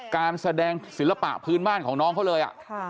การแสดงศิลปะพื้นบ้านของน้องเขาเลย